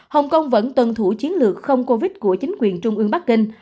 hồng kông vẫn tuân thủ chiến lược không covid của chính quyền trung ương bắc kinh